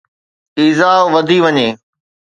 ايذاءُ وڌي وڃي